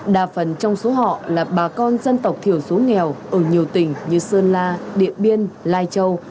đa phần trong số họ là bà con dân tộc thiểu số nghèo ở nhiều tỉnh như sơn la điện biên lai châu